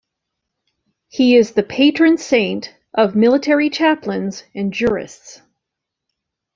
He is patron saint of military chaplains and jurists.